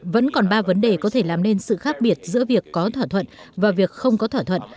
vẫn còn ba vấn đề có thể làm nên sự khác biệt giữa việc có thỏa thuận và việc không có thỏa thuận